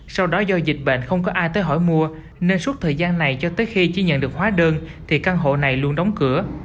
sau đó do dịch bệnh không có ai tới hỏi mua nên suốt thời gian này cho tới khi chưa nhận được hóa đơn thì căn hộ này luôn đóng cửa